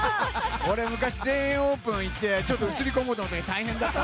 俺、昔全英オープン行ってちょっと映り込もうと思ったけど大変だった。